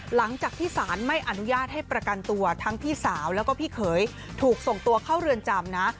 หลังจากที่สารไม่อนุญาตให้ประกันตัวทั้งพี่สาวแล้วก็พี่เขยถูกส่งตัวเข้าเรือนจำนะ